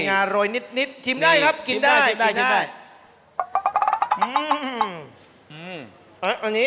ไม่งนนิดชิมได้ครับหยิบได้